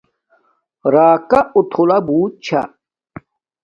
راکا اُتھولہ بوت چھا